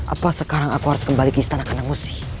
apa sekarang aku harus kembali ke istana kanangusi